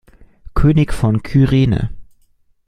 König von Kyrene.